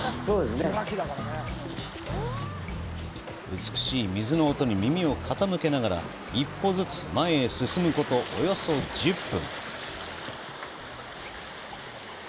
美しい水の音に耳を傾けながら、一歩ずつ前へ進むこと、およそ１０分。